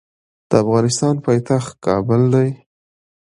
د افغانستان پایتخت کابل دی.